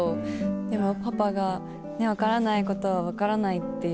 でもパパが「分からないことは分からない」っていう。